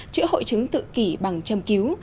chữa hội chứng tự kỷ bằng chăm cứu